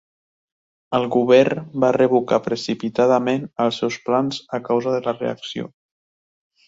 El govern va revocar precipitadament els seus plans a causa de la reacció.